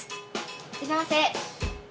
いらっしゃいませ。